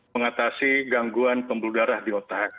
mengatasi gangguan pembuluh darah di otak